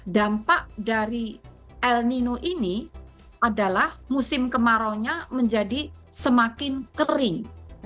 dampak dari el nino ini adalah musim kemarau nya menjadi semakin kering